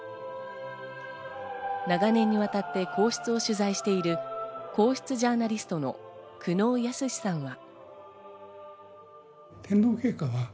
長年にわたって皇室を取材している皇室ジャーナリストの久能靖さんは。